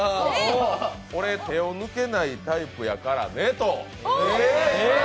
俺手を抜けないタイプやからねと。